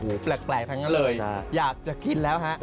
แปลกไปกันกันเลยอยากจะกินแล้วฮะ